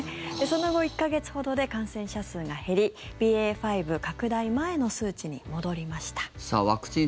その後１か月ほどで感染者数が減りＢＡ．５拡大前の数値に戻りました。